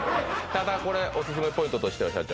ただこれオススメポイントとしては？